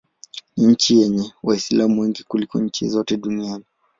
Ni nchi yenye Waislamu wengi kuliko nyingine zote duniani.